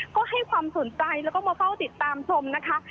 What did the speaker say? ก็ให้ความสนใจแล้วก็มาเฝ้าติดตามชมนะคะ